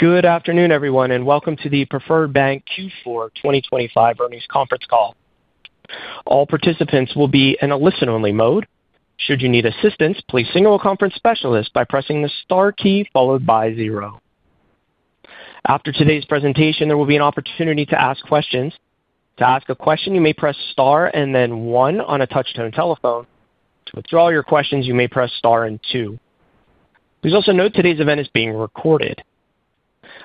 Good afternoon, everyone, and welcome to the Preferred Bank Q4 2025 earnings conference call. All participants will be in a listen-only mode. Should you need assistance, please signal a conference specialist by pressing the star key followed by zero. After today's presentation, there will be an opportunity to ask questions. To ask a question, you may press star and then one on a touch-tone telephone. To withdraw your questions, you may press star and two. Please also note today's event is being recorded.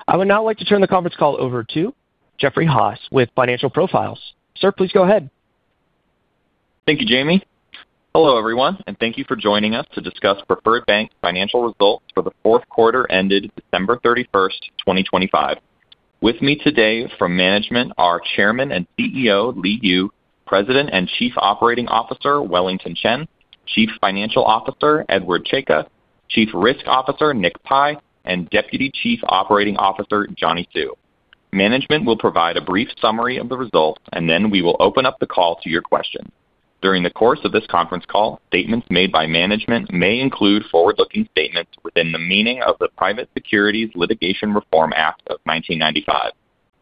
I would now like to turn the conference call over to Jeffrey Haas with Financial Profiles. Sir, please go ahead. Thank you, Jamie. Hello, everyone, and thank you for joining us to discuss Preferred Bank's financial results for the fourth quarter ended December 31st, 2025. With me today from management are Chairman and CEO Li Yu, President and Chief Operating Officer Wellington Chen, Chief Financial Officer Edward Czajka, Chief Risk Officer Nick Pi, and Deputy Chief Operating Officer Johnny Hsu. Management will provide a brief summary of the results, and then we will open up the call to your questions. During the course of this conference call, statements made by management may include forward-looking statements within the meaning of the Private Securities Litigation Reform Act of 1995.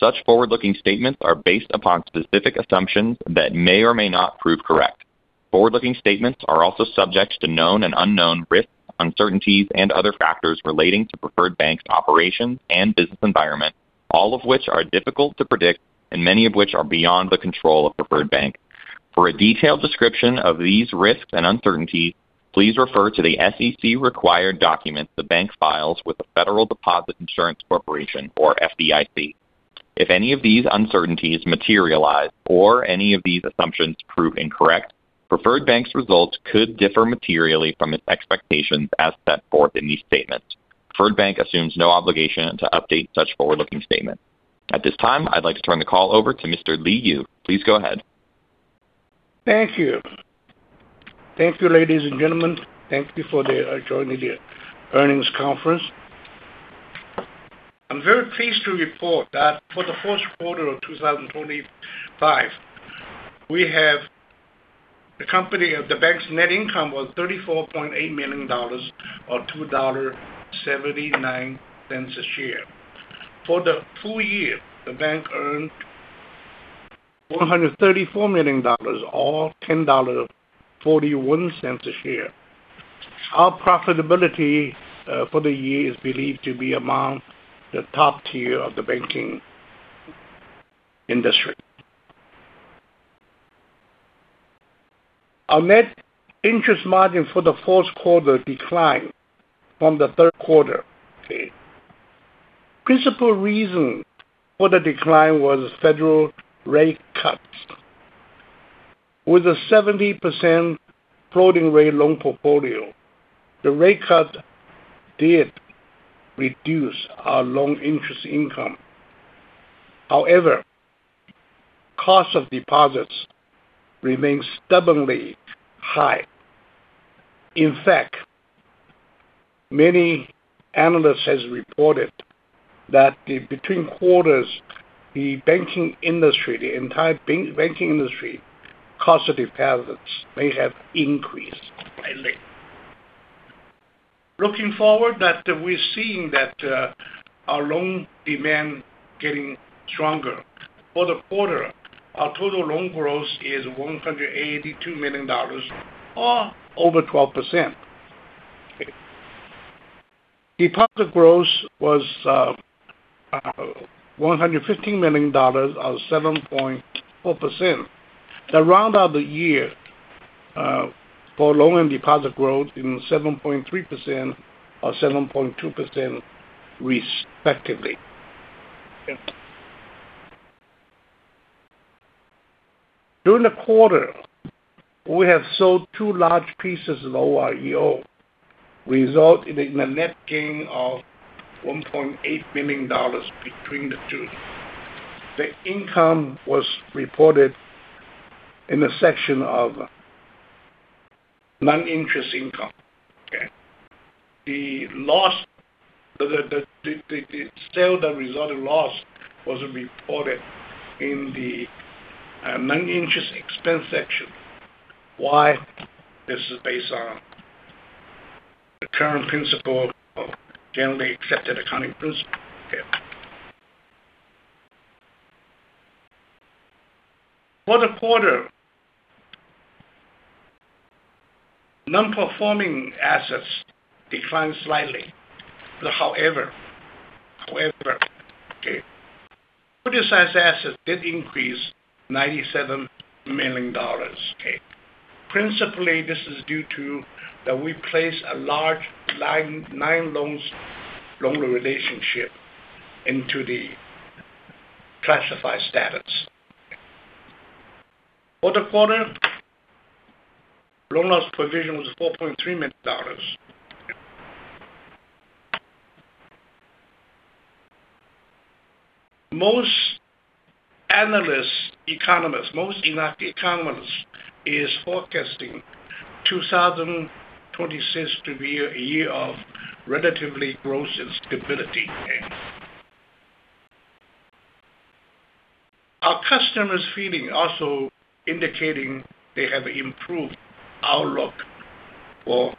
Such forward-looking statements are based upon specific assumptions that may or may not prove correct. Forward-looking statements are also subject to known and unknown risks, uncertainties, and other factors relating to Preferred Bank's operations and business environment, all of which are difficult to predict, and many of which are beyond the control of Preferred Bank. For a detailed description of these risks and uncertainties, please refer to the SEC-required documents the Bank files with the Federal Deposit Insurance Corporation, or FDIC. If any of these uncertainties materialize or any of these assumptions prove incorrect, Preferred Bank's results could differ materially from its expectations as set forth in these statements. Preferred Bank assumes no obligation to update such forward-looking statements. At this time, I'd like to turn the call over to Mr. Li Yu. Please go ahead. Thank you. Thank you, ladies and gentlemen. Thank you for joining the earnings conference. I'm very pleased to report that for the fourth quarter of 2025, the net income of the Bank was $34.8 million, or $2.79 a share. For the full year, the Bank earned $434 million, or $10.41 a share. Our profitability for the year is believed to be among the top tier of the banking industry. Our net interest margin for the fourth quarter declined from the third quarter. The principal reason for the decline was federal rate cuts. With a 70% floating-rate loan portfolio, the rate cut did reduce our loan interest income. However, the cost of deposits remained stubbornly high. In fact, many analysts have reported that between quarters, the banking industry, the entire banking industry, cost of deposits may have increased slightly. Looking forward, we're seeing that our loan demand is getting stronger. For the quarter, our total loan growth is $182 million, or over 12%. Deposit growth was $115 million, or 7.4%. The year-to-date for loan and deposit growth is 7.3% or 7.2%, respectively. During the quarter, we have sold two large pieces of our OREO, resulting in a net gain of $1.8 million between the two. The income was reported in the section of non-interest income. The sale that resulted in loss was reported in the non-interest expense section. Why? This is based on the current principles of generally accepted accounting principles. For the quarter, non-performing assets declined slightly. However, criticized assets did increase $97 million. Principally, this is due to that we placed a large nine-loan relationship into the classified status. For the quarter, loan loss provision was $4.3 million. Most economists are forecasting 2026 to be a year of relative growth and stability. Our customers' feelings are also indicating they have an improved outlook for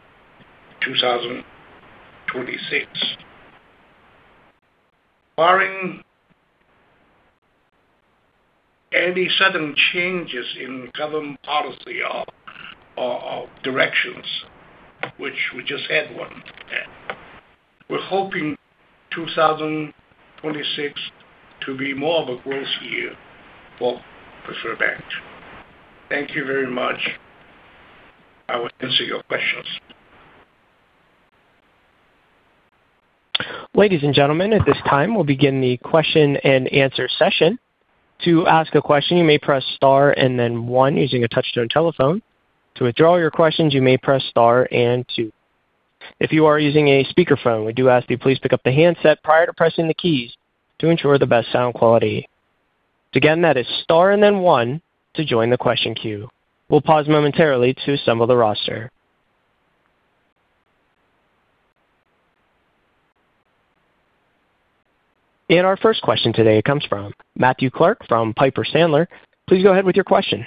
2026. Barring any sudden changes in government policy or directions, which we just had one, we're hoping 2026 to be more of a growth year for Preferred Bank. Thank you very much. I will answer your questions. Ladies and gentlemen, at this time, we'll begin the question-and-answer session. To ask a question, you may press star and then one using a touch-tone telephone. To withdraw your questions, you may press star and two. If you are using a speakerphone, we do ask that you please pick up the handset prior to pressing the keys to ensure the best sound quality. To get on that, it's star and then one to join the question queue. We'll pause momentarily to assemble the roster. And our first question today comes from Matthew Clark from Piper Sandler. Please go ahead with your question.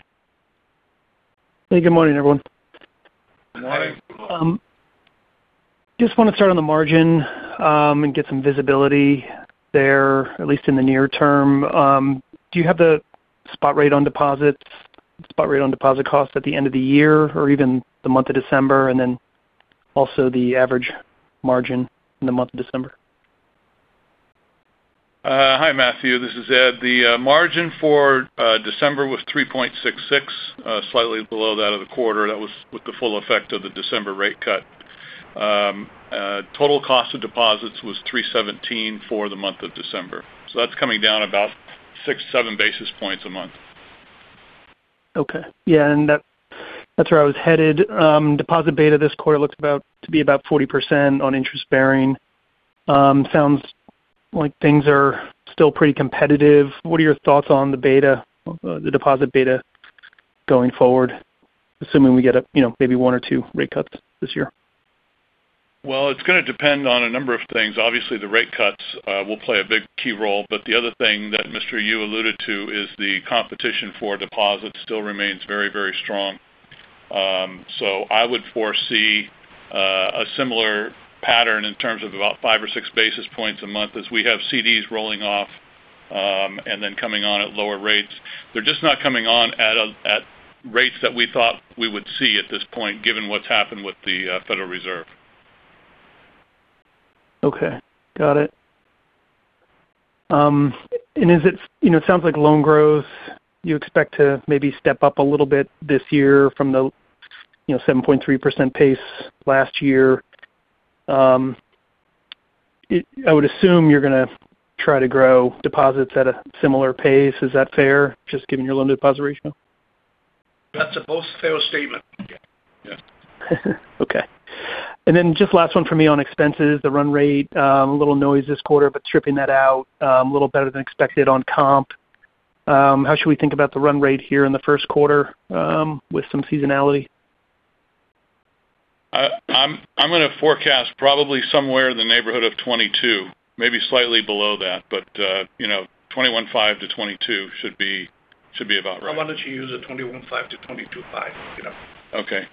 Hey, good morning, everyone. Good morning. Just want to start on the margin and get some visibility there, at least in the near term. Do you have the spot rate on deposits, spot rate on deposit costs at the end of the year or even the month of December, and then also the average margin in the month of December? Hi, Matthew. This is Ed. The margin for December was 3.66%, slightly below that of the quarter. That was with the full effect of the December rate cut. Total cost of deposits was 3.17% for the month of December. So that's coming down about six, seven basis points a month. Okay. Yeah, and that's where I was headed. Deposit beta this quarter looks to be about 40% on interest-bearing. Sounds like things are still pretty competitive. What are your thoughts on the beta, the deposit beta going forward, assuming we get maybe one or two rate cuts this year? It's going to depend on a number of things. Obviously, the rate cuts will play a big key role. But the other thing that Mr. Yu alluded to is the competition for deposits still remains very, very strong. So I would foresee a similar pattern in terms of about five or six basis points a month as we have CDs rolling off and then coming on at lower rates. They're just not coming on at rates that we thought we would see at this point, given what's happened with the Federal Reserve. Okay. Got it. And it sounds like loan growth, you expect to maybe step up a little bit this year from the 7.3% pace last year. I would assume you're going to try to grow deposits at a similar pace. Is that fair, just given your loan-to-deposit ratio? That's a fair statement. Yeah. Okay. And then just last one for me on expenses, the run rate. A little noise this quarter, but stripping that out, a little better than expected on comp. How should we think about the run rate here in the first quarter with some seasonality? I'm going to forecast probably somewhere in the neighborhood of 22, maybe slightly below that, but 21.5 to 22 should be about right. I wanted to use a 21.5 to 22.5. Okay.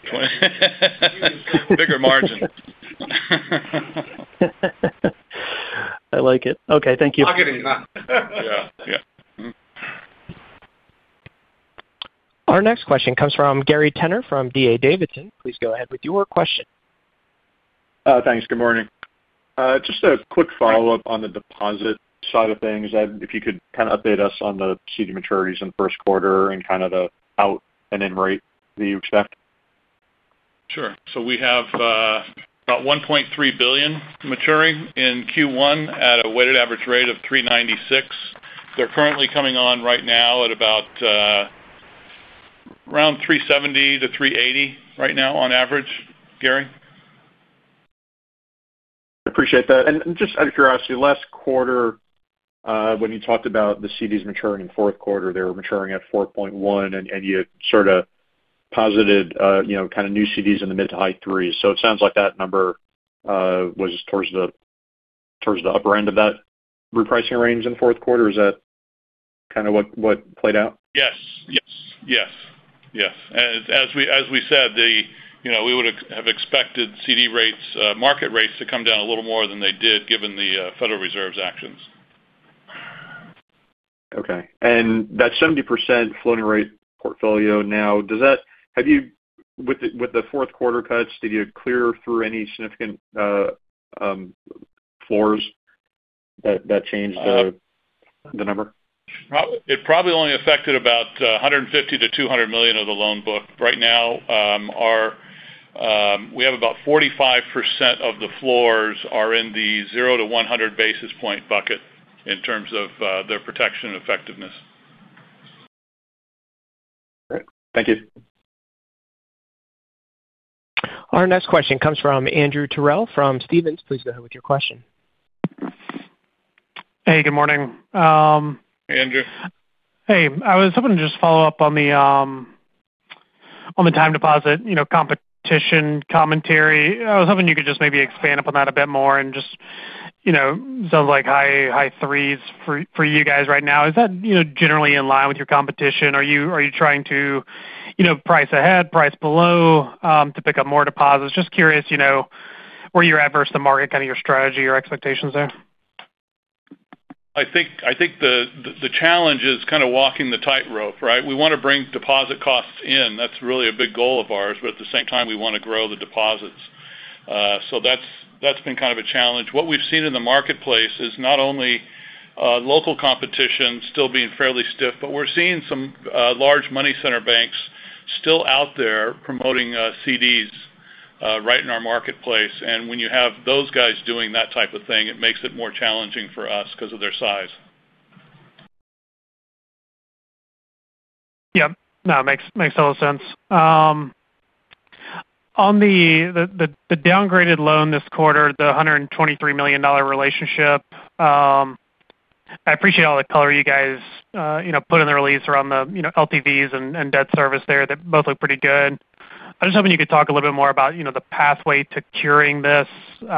Bigger margin. I like it. Okay. Thank you. I'll get it done. Yeah. Yeah. Our next question comes from Gary Tenner from D.A. Davidson. Please go ahead with your question. Thanks. Good morning. Just a quick follow-up on the deposit side of things. If you could kind of update us on the CD maturities in the first quarter and kind of the out-and-in rate that you expect? Sure. So we have about $1.3 billion maturing in Q1 at a weighted average rate of 396. They're currently coming on right now at about around 370-380 right now on average, Gary. I appreciate that. And just out of curiosity, last quarter, when you talked about the CDs maturing in the fourth quarter, they were maturing at 4.1, and you sort of posited kind of new CDs in the mid to high threes. So it sounds like that number was towards the upper end of that repricing range in the fourth quarter. Is that kind of what played out? Yes. As we said, we would have expected CD rates, market rates to come down a little more than they did, given the Federal Reserve's actions. Okay. And that 70% floating-rate portfolio now, have you, with the fourth quarter cuts, did you clear through any significant floors that changed the number? It probably only affected about $150-$200 million of the loan book. Right now, we have about 45% of the floors are in the 0-100 basis point bucket in terms of their protection effectiveness. Great. Thank you. Our next question comes from Andrew Terrell from Stephens. Please go ahead with your question. Hey, good morning. Hey, Andrew. Hey. I was hoping to just follow up on the time deposit competition commentary. I was hoping you could just maybe expand upon that a bit more and just sounds like high threes for you guys right now. Is that generally in line with your competition? Are you trying to price ahead, price below to pick up more deposits? Just curious where you're at versus the market, kind of your strategy, your expectations there. I think the challenge is kind of walking the tightrope, right? We want to bring deposit costs in. That's really a big goal of ours. But at the same time, we want to grow the deposits. So that's been kind of a challenge. What we've seen in the marketplace is not only local competition still being fairly stiff, but we're seeing some large money center banks still out there promoting CDs right in our marketplace. And when you have those guys doing that type of thing, it makes it more challenging for us because of their size. Yep. No, makes total sense. On the downgraded loan this quarter, the $123 million relationship, I appreciate all the color you guys put in the release around the LTVs and debt service there that both look pretty good. I was hoping you could talk a little bit more about the pathway to curing this, what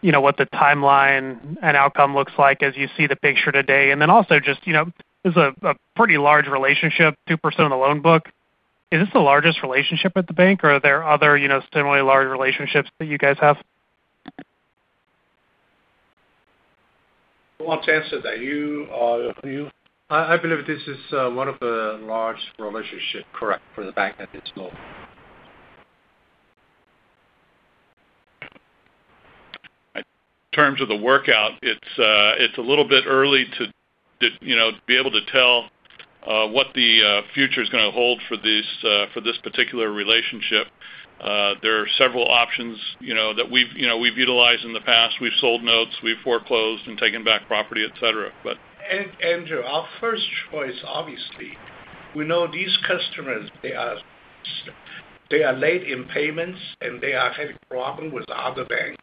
the timeline and outcome looks like as you see the picture today. And then also just, this is a pretty large relationship, 2% of the loan book. Is this the largest relationship at the bank, or are there other similarly large relationships that you guys have? I want to answer that. You. I believe this is one of the large relationships for the bank at this moment. In terms of the workout, it's a little bit early to be able to tell what the future is going to hold for this particular relationship. There are several options that we've utilized in the past. We've sold notes, we've foreclosed and taken back property, etc., but. Andrew, our first choice, obviously, we know these customers. They are late in payments and they are having problems with other banks,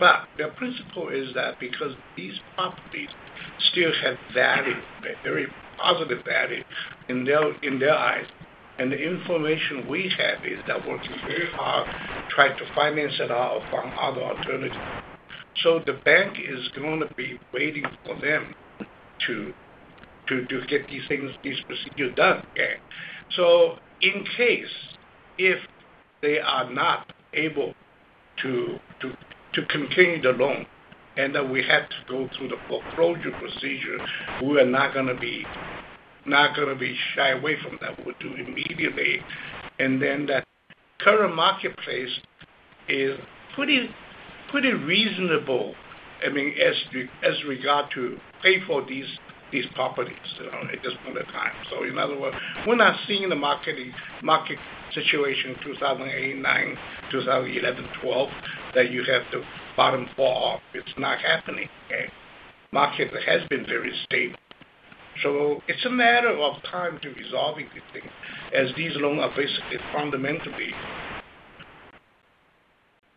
but the principle is that because these properties still have value, very positive value in their eyes. The information we have is they're working very hard, trying to finance it out from other alternatives. The bank is going to be waiting for them to get these things, these procedures done. In case if they are not able to continue the loan and that we have to go through the foreclosure procedure, we are not going to be shy away from that. We'll do it immediately. The current marketplace is pretty reasonable, I mean, as regard to pay for these properties at this point in time. So in other words, we're not seeing the market situation in 2008, 2009, 2011, 2012 that you have the bottom fall off. It's not happening. Market has been very stable. So it's a matter of time to resolve these things as these loans are basically fundamentally,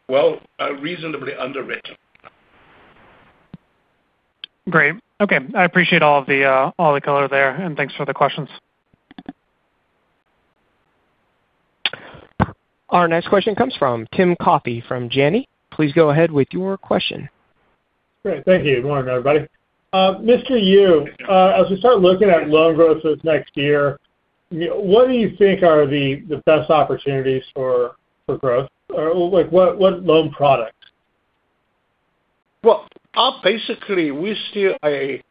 well, reasonably underwritten. Great. Okay. I appreciate all the color there and thanks for the questions. Our next question comes from Tim Coffey from Janney. Please go ahead with your question. Great. Thank you. Good morning, everybody. Mr. Yu, as we start looking at loan growth for the next year, what do you think are the best opportunities for growth? What loan product? Basically, we still a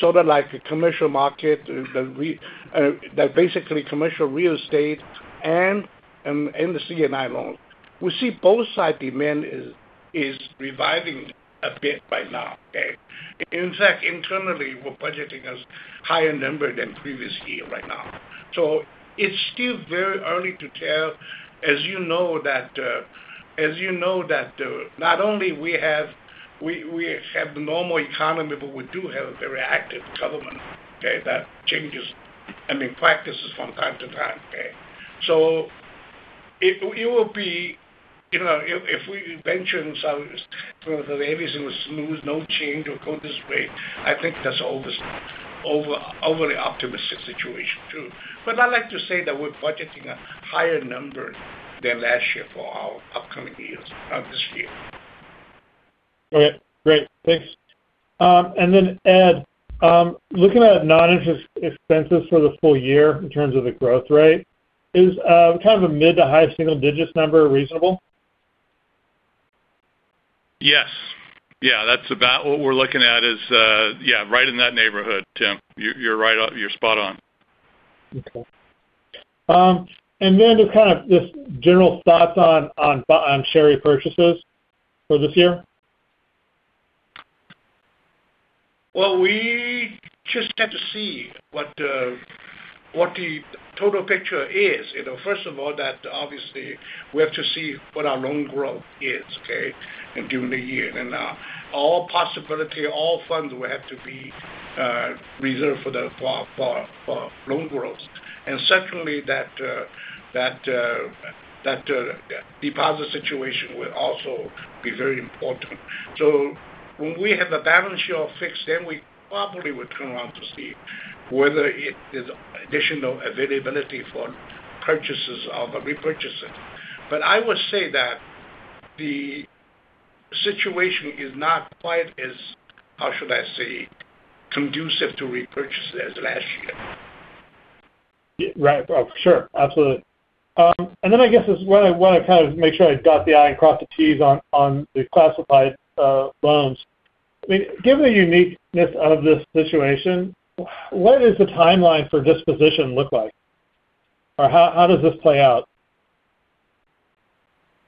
sort of like a commercial market that basically commercial real estate and the C&I loans. We see both sides' demand is reviving a bit right now. In fact, internally, we're budgeting a higher number than previous year right now. So it's still very early to tell, as you know, that not only we have the normal economy, but we do have a very active government that changes, I mean, practices from time to time. So it will be if we venture in some way so that everything is smooth, no change, we'll go this way, I think that's an overly optimistic situation too. But I'd like to say that we're budgeting a higher number than last year for our upcoming years, this year. Okay. Great. Thanks. And then, Ed, looking at non-interest expenses for the full year in terms of the growth rate, is kind of a mid to high single digit number reasonable? Yes. Yeah. That's about what we're looking at is, yeah, right in that neighborhood, Tim. You're spot on. Okay. And then just kind of general thoughts on share repurchases for this year? We just have to see what the total picture is. First of all, obviously, we have to see what our loan growth is, okay, during the year. In all possibility, all funds will have to be reserved for loan growth. Secondly, that deposit situation will also be very important. When we have the balance sheet all fixed, then we probably will turn around to see whether there is additional availability for purchases or repurchases. I would say that the situation is not quite as, how should I say, conducive to repurchases as last year. Right. Sure. Absolutely. And then I guess I want to kind of make sure I dot the i and cross the t's on the classified loans. I mean, given the uniqueness of this situation, what does the timeline for disposition look like? Or how does this play out?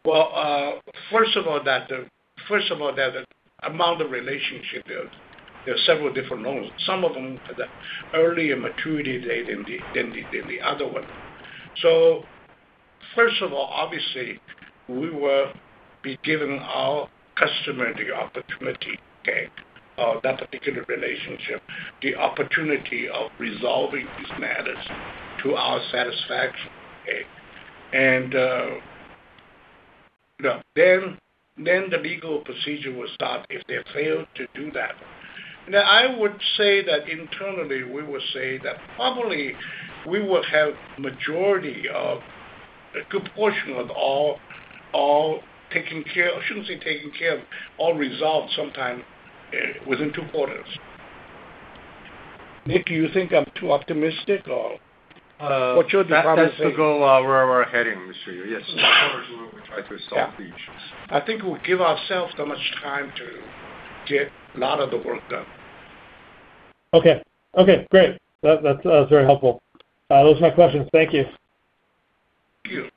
Well, first of all, that the amount of relationship, there are several different loans. Some of them have an earlier maturity date than the other one. So first of all, obviously, we will be giving our customer the opportunity, okay, of that particular relationship, the opportunity of resolving these matters to our satisfaction. And then the legal procedure will start if they fail to do that. And I would say that internally, we will say that probably we will have a majority of a good portion of all taken care of. I shouldn't say taken care of, all resolved sometime within two quarters. Nick, do you think I'm too optimistic or what's your decline to say? That's the goal where we're heading, Mr. Yu. Yes. Of course, we will try to solve the issues. I think we'll give ourselves so much time to get a lot of the work done. Okay. Great. That's very helpful. Those are my questions. Thank you. Thank you.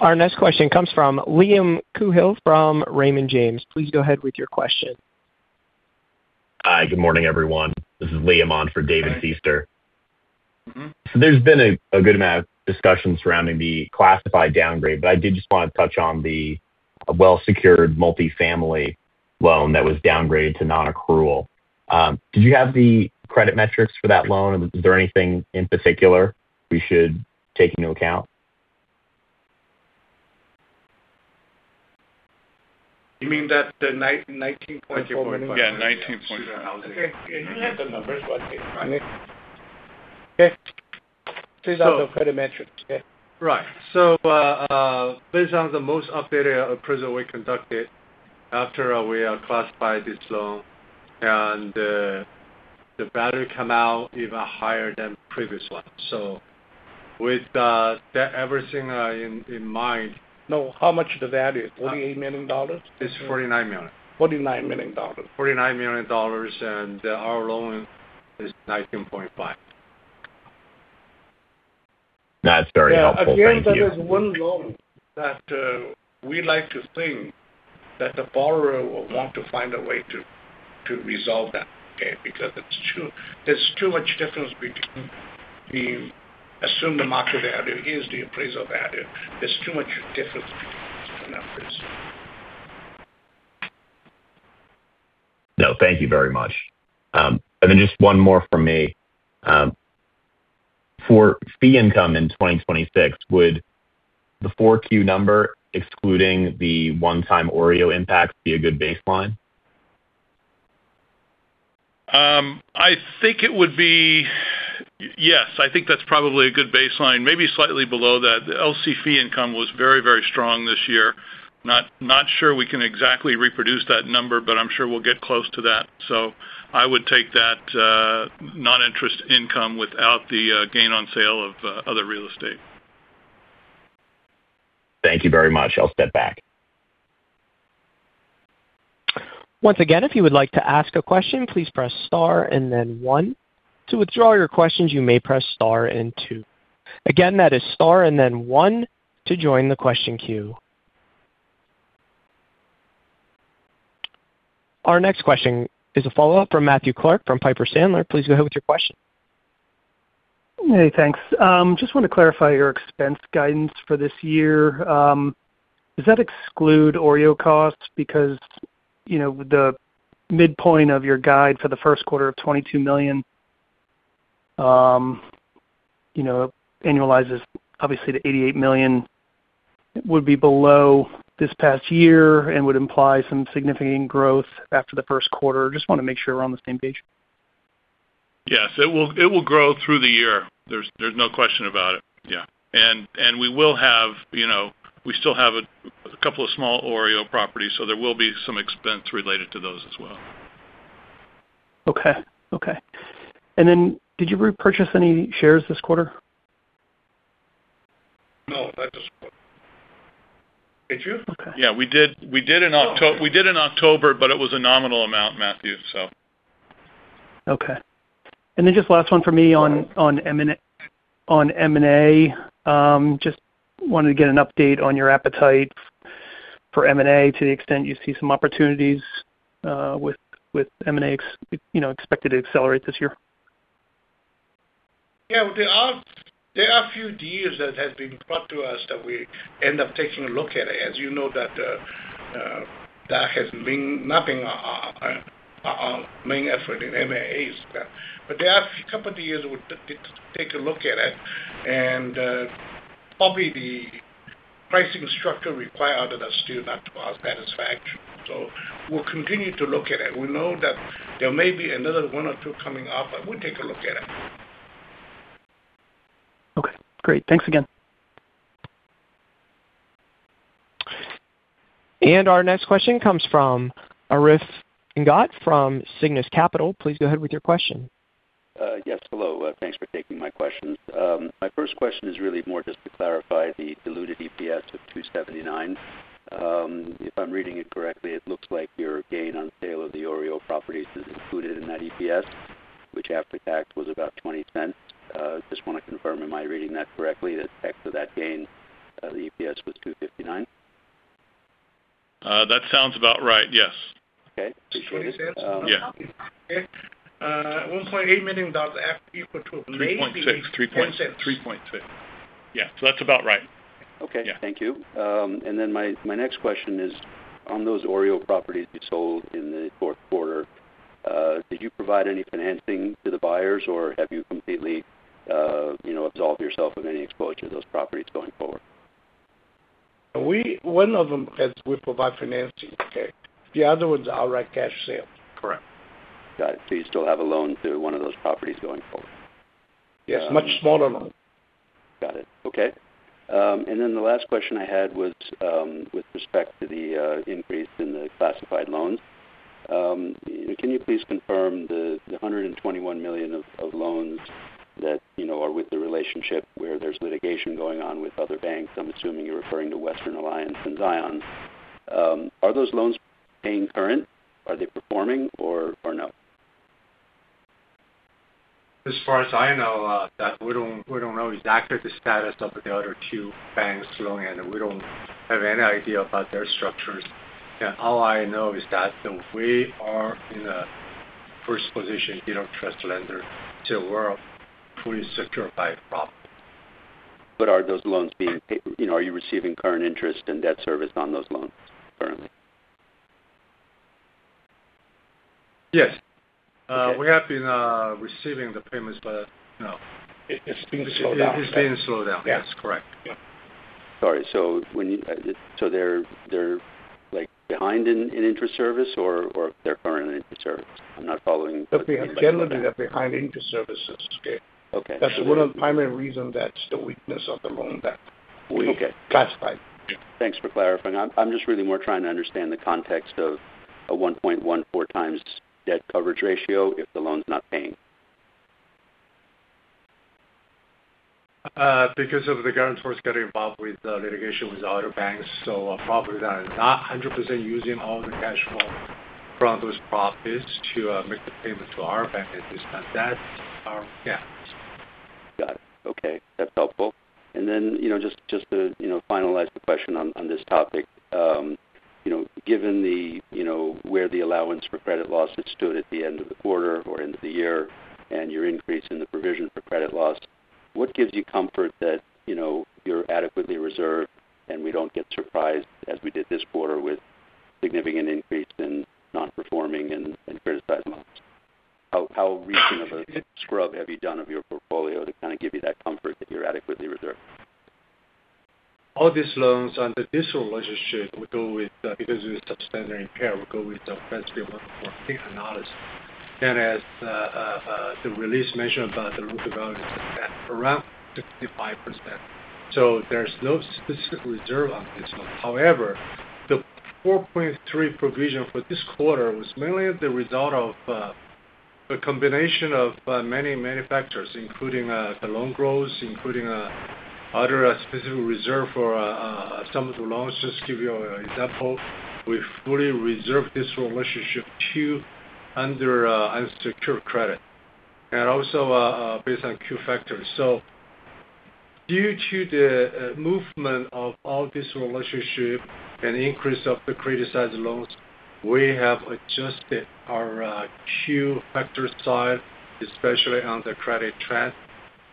Our next question comes from Liam Coohill from Raymond James. Please go ahead with your question. Hi. Good morning, everyone. This is Liam on for David Feaster. There's been a good amount of discussion surrounding the classified downgrade, but I did just want to touch on the well-secured multifamily loan that was downgraded to non-accrual. Did you have the credit metrics for that loan, and is there anything in particular we should take into account? You mean that the 19.4? Yeah. 19.4. Okay. Can you have the numbers one day? So these are the credit metrics. Yeah. Right. So based on the most updated appraisal we conducted after we classified this loan, and the value came out even higher than the previous one. So with everything in mind. No. How much is the value? $48 million? It's $49 million. $49 million. $49 million, and our loan is $19.5. That's very helpful. At the end, there is one loan that we like to think that the borrower will want to find a way to resolve that, okay, because it's too much difference between assume the market value is the appraisal value. There's too much difference between those two numbers. No. Thank you very much, and then just one more from me. For fee income in 2026, would the 4Q number, excluding the one-time OREO impact, be a good baseline? I think it would be, yes. I think that's probably a good baseline. Maybe slightly below that. The LC fee income was very, very strong this year. Not sure we can exactly reproduce that number, but I'm sure we'll get close to that. So I would take that non-interest income without the gain on sale of other real estate. Thank you very much. I'll step back. Once again, if you would like to ask a question, please press star and then one. To withdraw your questions, you may press star and two. Again, that is star and then one to join the question queue. Our next question is a follow-up from Matthew Clark from Piper Sandler. Please go ahead with your question. Hey, thanks. Just want to clarify your expense guidance for this year. Does that exclude OREO costs because the midpoint of your guide for the first quarter of $22 million annualizes obviously to $88 million, would be below this past year and would imply some significant growth after the first quarter? Just want to make sure we're on the same page. Yes. It will grow through the year. There's no question about it. Yeah. And we still have a couple of small OREO properties, so there will be some expense related to those as well. Okay. And then did you repurchase any shares this quarter? No. That's just what Andrew? Okay. Yeah. We did in October, but it was a nominal amount, Matthew, so. Okay, and then just last one for me on M&A. Just wanted to get an update on your appetite for M&A to the extent you see some opportunities with M&A expected to accelerate this year. Yeah. There are a few deals that have been brought to us that we end up taking a look at. As you know, that has not been our main effort in M&As. But there are a couple of deals we did take a look at, and probably the pricing structure required is still not to our satisfaction. So we'll continue to look at it. We know that there may be another one or two coming up, but we'll take a look at it. Okay. Great. Thanks again. Our next question comes from Arif Inayatullah from Cygnus Capital. Please go ahead with your question. Yes. Hello. Thanks for taking my questions. My first question is really more just to clarify the diluted EPS of $2.79. If I'm reading it correctly, it looks like your gain on sale of the OREO properties is included in that EPS, which after-tax was about $0.20. Just want to confirm, am I reading that correctly, that after that gain, the EPS was $2.59? That sounds about right. Yes. Okay. Appreciate it. $1.8 million after equal to a $3.6. $3.6. $3.6. $3.6. Yeah. So that's about right. Okay. Thank you. And then my next question is, on those OREO properties you sold in the fourth quarter, did you provide any financing to the buyers, or have you completely absolved yourself of any exposure to those properties going forward? One of them has, we provide financing, okay. The other one's our cash sale. Correct. Got it. So you still have a loan to one of those properties going forward? Yes. Much smaller loan. Got it. Okay. And then the last question I had was with respect to the increase in the classified loans. Can you please confirm the $121 million of loans that are with the relationship where there's litigation going on with other banks? I'm assuming you're referring to Western Alliance and Zions. Are those loans paying current? Are they performing or no? As far as I know, we don't know exactly the status of the other two banks' loans, and we don't have any idea about their structures. All I know is that we are in the first position, Deed of Trust lender. So we're fully secured by a problem. But are those loans being? Are you receiving current interest and debt service on those loans currently? Yes. We have been receiving the payments, but it's been slowed down. It's been slowed down. Yes. That's correct. Yeah. Sorry. So they're behind in interest service or they're current in interest service? I'm not following the question. Generally, they're behind interest services. Okay. That's one of the primary reasons that's the weakness of the loan that we classified. Thanks for clarifying. I'm just really more trying to understand the context of a 1.14 times debt coverage ratio if the loan's not paying. Because of the guarantors getting involved with litigation with other banks. So probably they're not 100% using all the cash flow from those properties to make the payment to our bank at this time. Yeah. Got it. Okay. That's helpful. And then just to finalize the question on this topic, given where the allowance for credit loss had stood at the end of the quarter or end of the year and your increase in the provision for credit loss, what gives you comfort that you're adequately reserved and we don't get surprised, as we did this quarter, with significant increase in non-performing and criticized loans? How recent of a scrub have you done of your portfolio to kind of give you that comfort that you're adequately reserved? All these loans under this literature, we go with because we're substandard and impaired, we go with the Fed's 3.4K analysis. As the release mentioned about the loan-to-value, it's around 65%. There's no specific reserve on this loan. However, the $4.3 million provision for this quarter was mainly the result of a combination of many manufacturers, including the loan growth, including other specific reserve for some of the loans. Just to give you an example, we fully reserved this relationship too under unsecured credit. Also based on Q factor. Due to the movement of all this relationship and increase of the criticized loans, we have adjusted our Q factor side, especially on the credit trend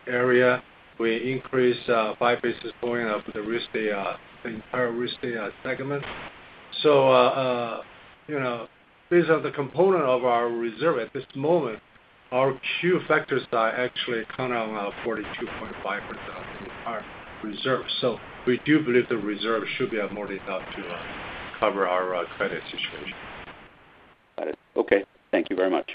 area. We increased five basis points of the entire real estate segment. So based on the component of our reserve at this moment, our Q factors are actually counting on 42.5% of the entire reserve. So we do believe the reserve should be more than enough to cover our credit situation. Got it. Okay. Thank you very much.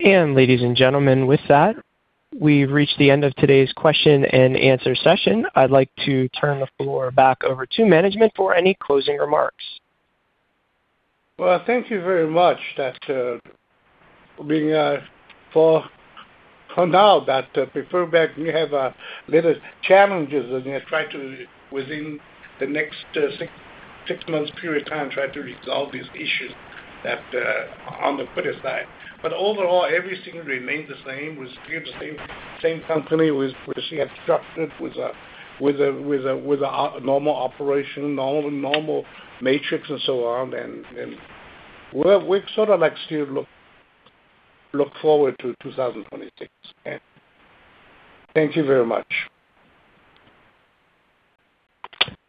Ladies and gentlemen, with that, we've reached the end of today's question and answer session. I'd like to turn the floor back over to management for any closing remarks. Thank you very much that for now that before we have little challenges and try to within the next six months period of time try to resolve these issues on the credit side. Overall, everything remains the same. We're still the same company. We're still structured with a normal operation, normal matrix, and so on. We sort of like still look forward to 2026. Thank you very much.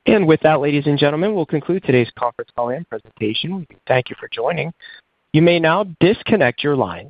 With that, ladies and gentlemen, we'll conclude today's conference call and presentation. Thank you for joining. You may now disconnect your lines.